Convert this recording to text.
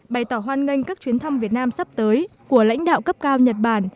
bày tỏ hoan nghênh các chuyến thăm việt nam sắp tới của lãnh đạo cấp cao nhật bản